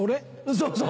そうそう。